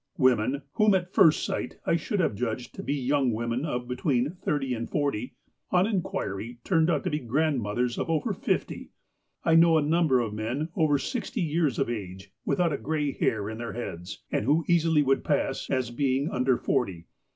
Women, whom at first sight I should have judged to be young women of between thirty and forty, on inquiry turned out to be grandmoth ers of over fifty. I know a number of men, over sixty years of age, without a gray hair in their heads, and who easily would pass as being under forty.